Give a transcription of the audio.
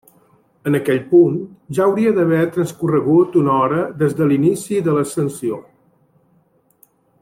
En aquell punt, ja hauria d'haver transcorregut una hora des de l'inici de l'ascensió.